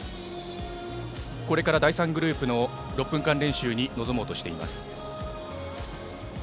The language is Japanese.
これから第３グループの６分間練習に臨もうとしています。